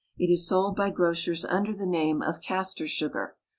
It is sold by grocers under the name of castor sugar.